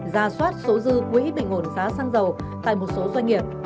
ra soát số dư quỹ bình ổn giá xăng dầu tại một số doanh nghiệp